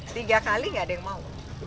tiga kali gak ada yang mau